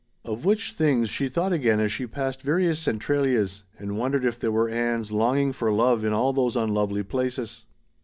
Of which things she thought again as she passed various Centralias and wondered if there were Anns longing for love in all those unlovely places.